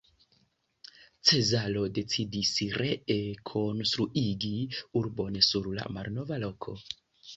Cezaro decidis, ree konstruigi urbon sur la malnova loko.